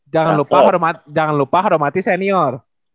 jangan lupa jangan lupa hormati senior